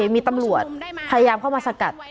มีตำรวจพยายามเข้ามาสกัด